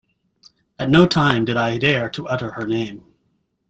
At no time did I dare to utter her name.